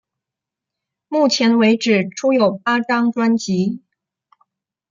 目前为止出有八张专辑。